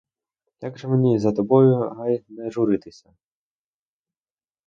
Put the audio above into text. Як же мені за тобою, гай, не журитися?